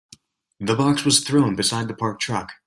The box was thrown beside the parked truck.